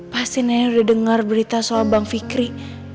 pasti nenek udah dengar berita soal bang fikri